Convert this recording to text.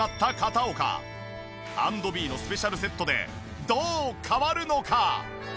＆ｂｅのスペシャルセットでどう変わるのか？